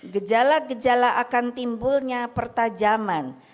gejala gejala akan timbulnya pertajaman